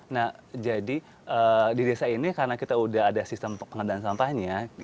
nah jadi di desa ini karena kita sudah ada sistem pengadaan sampahnya